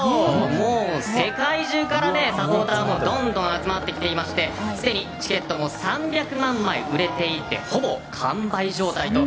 もう、世界中からサポーターもどんどん集まってきていましてすでにチケットも３００万枚売れていてほぼ完売状態と。